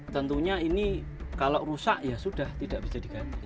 tentunya ini kalau rusak ya sudah tidak bisa diganti